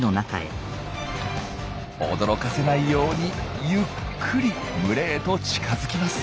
驚かせないようにゆっくり群れへと近づきます。